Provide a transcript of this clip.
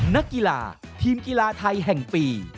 นักกีฬาทีมกีฬาไทยแห่งปี